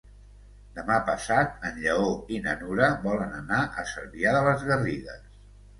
Demà passat en Lleó i na Nura volen anar a Cervià de les Garrigues.